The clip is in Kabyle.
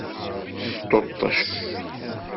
Sṭuṭec.